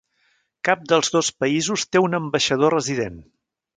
Cap dels dos països té un ambaixador resident.